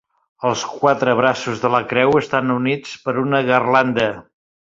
Els quatre braços de la creu estan units per una garlanda.